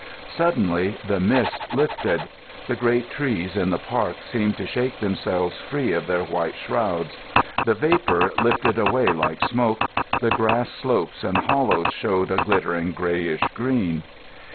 Suddenly the mist lifted. The great trees in the park seemed to shake themselves free of their white shrouds. The vapour drifted away like smoke; the grass slopes and hollows showed a glittering greyish green.